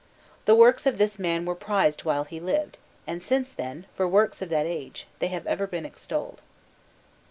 The works of this man were prized while he lived, and since then, for works of that age, they have been ever extolled.